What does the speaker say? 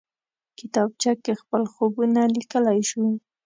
کتابچه کې خپل خوبونه لیکلی شو